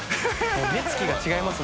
もう目つきが違います